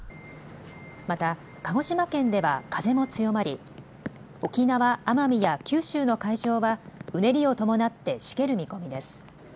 また、鹿児島県では風も強まり、沖縄・奄美や九州の海上は、うねりを伴ってしける見込みです。